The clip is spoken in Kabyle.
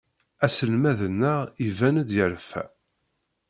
Aselmad-nneɣ iban-d yerfa.